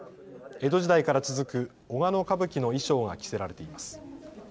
江戸時代から続く小鹿野歌舞伎の衣装が着せられています。